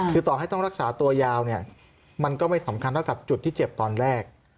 คือต่อให้ต้องรักษาตัวยาวเนี่ยมันก็ไม่สำคัญเท่ากับจุดที่เจ็บตอนแรก